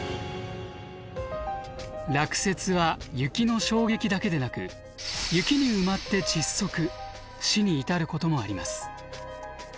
落雪は雪の衝撃だけでなく雪に埋まって窒息死に至ることもあります。